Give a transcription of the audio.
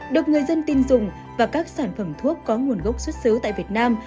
được người dân tin dùng và các sản phẩm thuốc có nguồn gốc xuất xứ tại việt nam